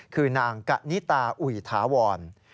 คือนางกะนิตาอุ๋ยถาวร